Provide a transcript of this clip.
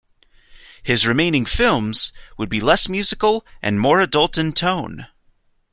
His remaining films would be less musical and more adult in tone.